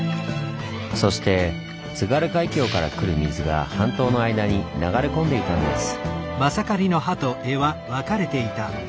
そして津軽海峡から来る水が半島の間に流れ込んでいたんです。